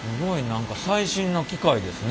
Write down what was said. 何か最新な機械ですね。